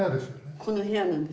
この部屋なんです。